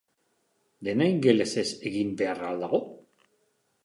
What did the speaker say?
Dena ingelesez egin beharra al dago?